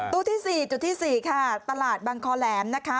ที่๔จุดที่๔ค่ะตลาดบังคอแหลมนะคะ